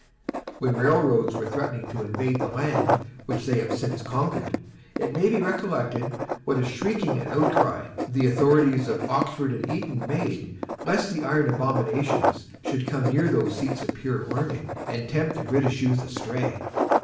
When railroads were threatening to invade the land which they have since conquered, it may be recollected what a shrieking and outcry the authorities of Oxford and Eton made, lest the iron abominations should come near those seats of pure learning, and tempt the British youth astray.